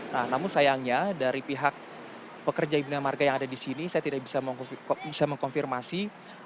nah namun sayangnya dari pihak pekerja bina marga yang ada di sini saya tidak bisa mengkonfirmasi